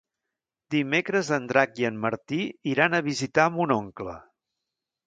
Dimecres en Drac i en Martí iran a visitar mon oncle.